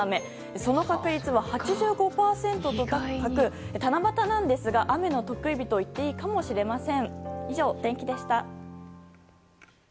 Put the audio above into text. その確率は８５％と高く七夕なんですが雨の特異日といってもいいかもしれません。